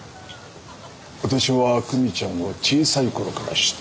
私は久美ちゃんを小さい頃から知っている。